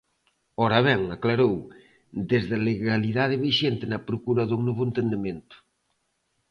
Ora ben, aclarou, desde a "legalidade vixente" na procura dun "novo entendemento".